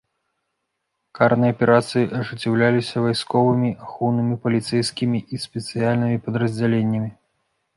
Карныя аперацыі ажыццяўляліся вайсковымі, ахоўнымі, паліцэйскім і спецыяльнымі падраздзяленнямі.